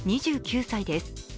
２９歳です。